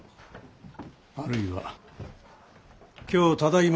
あるいは今日ただいま